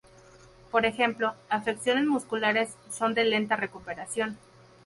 Por ejemplo, afecciones musculares son de lenta recuperación.